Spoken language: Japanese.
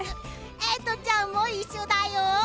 エイトちゃんも一緒だよ。